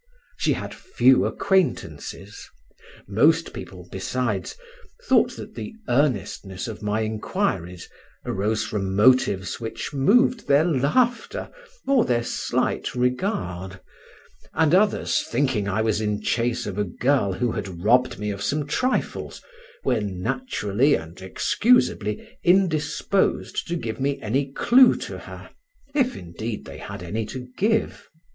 She had few acquaintances; most people, besides, thought that the earnestness of my inquiries arose from motives which moved their laughter or their slight regard; and others, thinking I was in chase of a girl who had robbed me of some trifles, were naturally and excusably indisposed to give me any clue to her, if indeed they had any to give.